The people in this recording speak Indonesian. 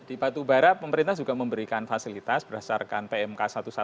di batubara pemerintah juga memberikan fasilitas berdasarkan pmk satu ratus dua belas